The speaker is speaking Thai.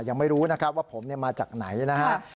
ยังไม่รู้นะครับว่าผมมาจากไหนนะครับ